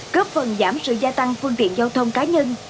góp phần giảm sự gia tăng phương tiện giao thông cá nhân